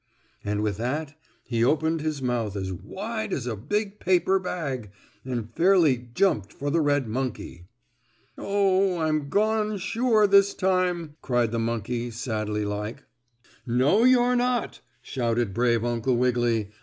And with that he opened his mouth as wide as a big paper bag, and fairly jumped for the red monkey. "Oh, I'm gone, sure, this time!" cried the monkey, sadly like. "No, you're not!" shouted brave Uncle Wiggily.